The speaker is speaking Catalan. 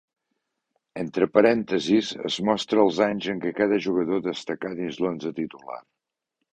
Entre parèntesis es mostra els anys en què cada jugador destacà dins l'onze titular.